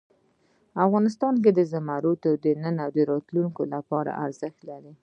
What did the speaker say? افغانستان کې زمرد د نن او راتلونکي لپاره ارزښت لري.